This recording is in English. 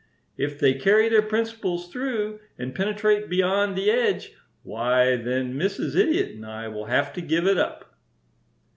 If they carry their principles through and penetrate beyond the edge, why, then Mrs. Idiot and I will have to give it up.